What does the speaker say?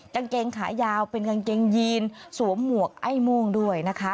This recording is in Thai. กางเกงขายาวเป็นกางเกงยีนสวมหมวกไอ้ม่วงด้วยนะคะ